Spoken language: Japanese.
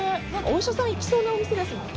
お医者さんが行きそうなお店ですね。